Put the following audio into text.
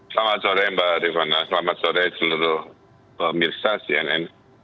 selamat sore mbak rifana selamat sore seluruh pemirsa cnn